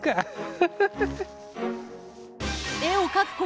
フフフフ。